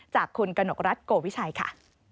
จากคุณกนกรัฐโกวิชัยค่ะ